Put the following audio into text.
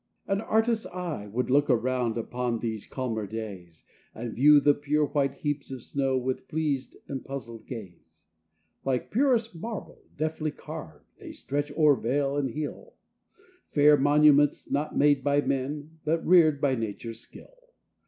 An artist's eye would look around, Upon these calmer days, And view the pure white heaps of snow, With pleas'd and puzzl'd gaze. Like purest marble, deftly carv'd, They stretch o'er vale and hill, Fair monuments, not made by man, But rear'd by nature's skill.